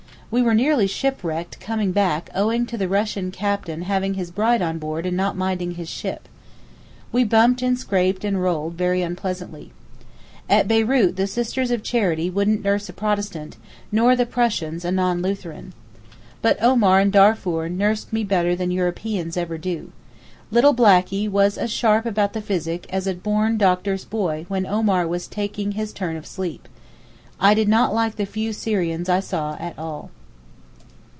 We were nearly shipwrecked coming back owing to the Russian captain having his bride on board and not minding his ship. We bumped and scraped and rolled very unpleasantly. At Beyrout the Sisters of Charity wouldn't nurse a Protestant, nor the Prussians a non Lutheran. But Omar and Darfour nursed me better than Europeans ever do. Little Blackie was as sharp about the physic as a born doctor's boy when Omar was taking his turn of sleep. I did not like the few Syrians I saw at all.